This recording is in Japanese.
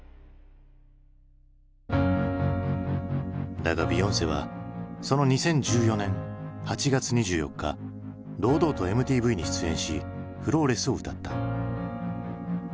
だがビヨンセはその２０１４年８月２４日堂々とＭＴＶに出演し「＊＊＊Ｆｌａｗｌｅｓｓ」を歌った。